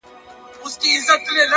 هره هڅه د راتلونکي بڼه جوړوي.